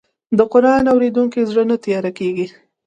د قرآن اورېدونکی زړه نه تیاره کېږي.